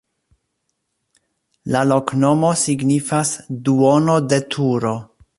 La loknomo signifas: duono de turo.